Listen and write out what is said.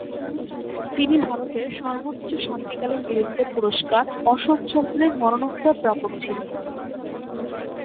তিনি ভারতের সর্বোচ্চ শান্তিকালীন বীরত্বের পুরস্কার অশোক চক্রের মরণোত্তর প্রাপক ছিলেন।